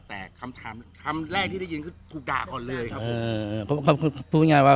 แต่คำถามคำแรกที่ได้ยินคือถูกด่าก่อนเลยครับ